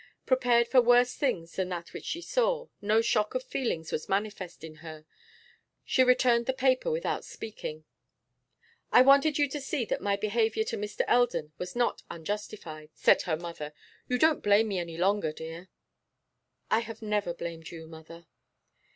Prepared for worse things than that which she saw, no shock of feelings was manifest in her. She returned the paper without speaking. 'I wanted you to see that my behaviour to Mr. Eldon was not unjustified,' said her mother. 'You don't blame me any longer, dear?' 'I have never blamed you, mother.